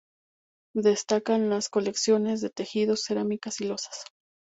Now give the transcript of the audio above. Destacan las colecciones de tejidos, cerámicas y lozas.